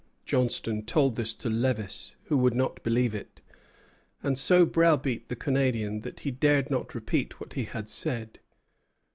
Johnstone told this to Lévis, who would not believe it, and so browbeat the Canadian that he dared not repeat what he had said.